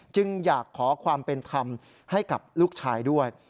จึงอยากขอความเป็นธรรมให้กับลูกชายด้วย